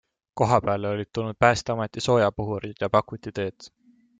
Kohapeale olid toodud Päästeameti soojapuhurid ja pakuti teed.